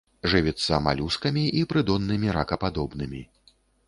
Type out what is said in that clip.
Жывіцца малюскамі і прыдоннымі ракападобнымі.